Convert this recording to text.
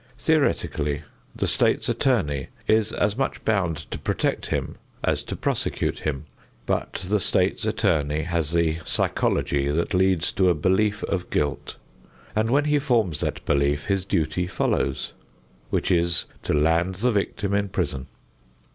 Theoretically the State's Attorney is as much bound to protect him as to prosecute him, but the State's Attorney has the psychology that leads to a belief of guilt, and when he forms that belief his duty follows, which is to land the victim in prison.